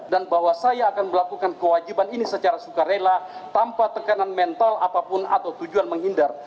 dan bahwa saya akan melakukan kewajiban ini secara suka rela tanpa tekanan mental apapun atau tujuan menghindar